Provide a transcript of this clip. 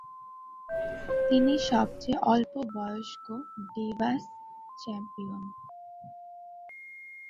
তিনি সবচেয়ে অল্প বয়স্ক ডিভাস চ্যাম্পিয়ন।